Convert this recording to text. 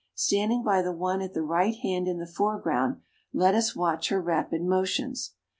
Standing by the one at the right hand in the foreground, let us watch her rapid motions!